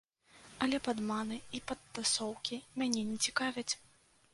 Але падманы і падтасоўкі мяне не цікавяць.